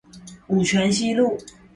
五權西路